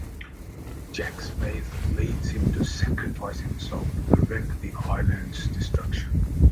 Jack's faith leads him to sacrifice himself to prevent the island's destruction.